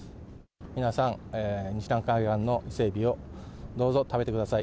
皆さん、日南海岸の伊勢エビをどうぞ食べてください。